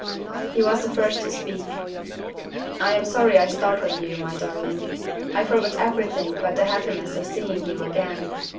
He was the first to speak. "I am sorry I startled you, my darling. I forgot everything but the happiness of seeing you again.